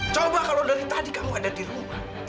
coba kalau dari tadi kamu ada di rumah